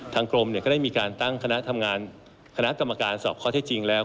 ทางกรมก็ได้มีการตั้งคณะทำงานคณะกรรมการสอบข้อเท็จจริงแล้ว